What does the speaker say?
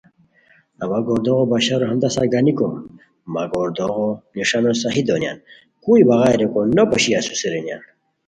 اوا گوردوغو بشارو ہمیتان سار گانیکو مہ گوردوغو نݰانو صحیح دونیان، کوئی بغائے ریکو نو پوشی اسوسی رینیان